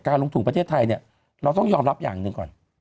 ลงทุนประเทศไทยเนี่ยเราต้องยอมรับอย่างหนึ่งก่อน